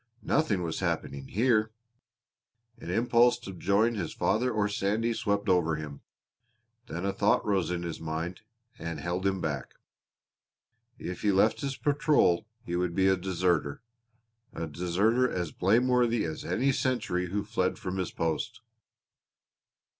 Nothing was happening here! An impulse to join his father or Sandy swept over him; then a thought rose in his mind and held him back if he left his patrol he would be a deserter, a deserter as blameworthy as any sentry who fled from his post.